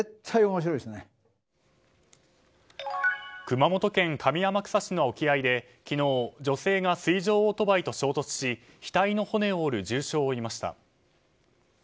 熊本県上天草市の沖合で昨日、女性が水上オートバイと衝突し額の骨を折る重傷を負いました。